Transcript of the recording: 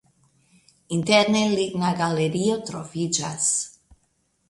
Interne ligna galerio troviĝas.